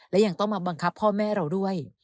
และยังต้องมาบังคับพ่อแม่เราด้วย